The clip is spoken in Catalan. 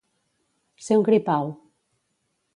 Ser un gripau.